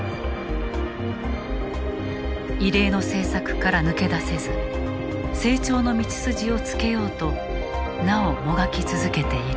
異例の政策から抜け出せず成長の道筋をつけようとなおもがき続けている。